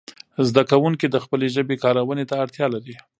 زده کوونکي د خپلې ژبې کارونې ته اړتیا لري.